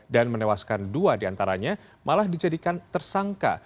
dan menewaskan dua diantaranya malah dijadikan tersangka